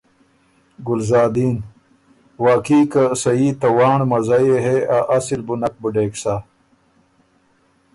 ګلزادین: واقعي که صحیح ته وانړ مزئ يې هې، ا اصل بُو نک بُډېک سَۀ